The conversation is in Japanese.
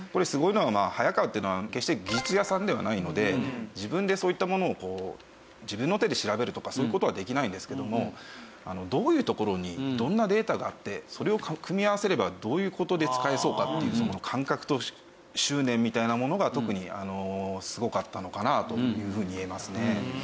すごいのが早川っていうのは決して技術屋さんではないので自分でそういったものを自分の手で調べるとかそういう事はできないんですけどもどういうところにどんなデータがあってそれを組み合わせればどういう事で使えそうかっていうそこの感覚と執念みたいなものが特にすごかったのかなというふうにいえますね。